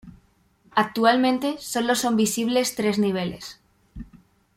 Actualmente, sólo son visibles tres niveles.